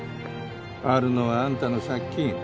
あるのはあんたの借金。